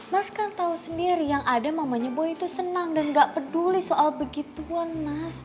mas kan tahu sendiri yang ada mamanya boy itu senang dan gak peduli soal begituan mas